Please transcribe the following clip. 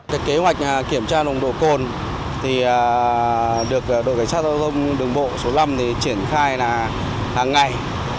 cái kế hoạch kiểm tra nồng độ cồn được đội cảnh sát giao thông đường bộ số năm triển khai là hàng ngày